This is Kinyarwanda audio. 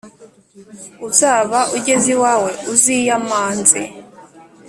Uzaba ugeze iwawe uziyamanze